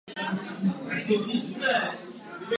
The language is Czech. Na University of Exeter studoval dějiny umění a angličtinu.